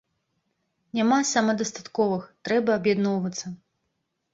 Няма самадастатковых, трэба аб'ядноўвацца.